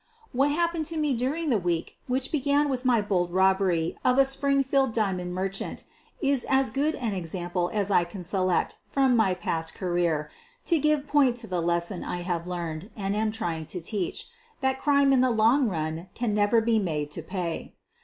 What happened to me during the week which be gan with my bold robbery of a Springfield diamond merchant is as good an example as I can select from my past career to give point to the lesson I have learned and am trying to teach — that crime in the long run can never be made to pay.